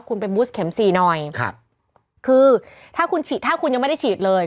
คุณไปบูสเข็มสี่หน่อยครับคือถ้าคุณฉีดถ้าคุณยังไม่ได้ฉีดเลย